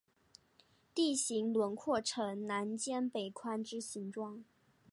地形轮廓呈南尖北宽之形状。